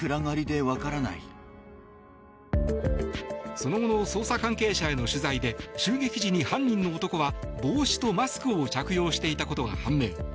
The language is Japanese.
その後の捜査関係者への取材で襲撃時に犯人の男は帽子とマスクを着用していたことが判明。